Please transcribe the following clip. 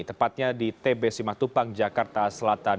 tepatnya di tb simatupang jakarta selatan